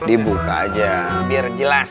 dibuka aja biar jelas